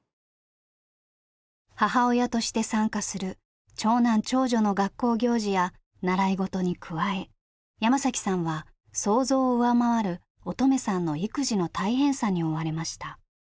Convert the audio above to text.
母親として参加する長男長女の学校行事や習い事に加え山さんは想像を上回る音十愛さんの育児の大変さに追われました。